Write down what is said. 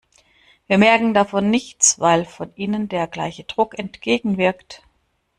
Wir merken davon nichts, weil von innen der gleiche Druck entgegenwirkt.